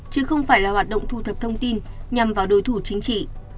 chứ không phải là hoạt động thu thập thông tin nhằm vào đối thủ chính trị